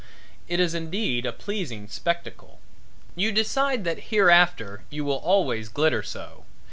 It is indeed a pleasing spectacle. You decide that hereafter you will always glitter so.